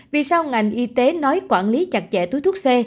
vì sao ngành y tế nói quản lý chặt chẽ túi thuốc c